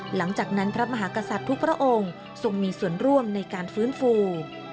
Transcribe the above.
หลังจากนั้นพระมหากษัตริย์ทุกพระองค์ทรงมีส่วนร่วมในการฟื้นฟู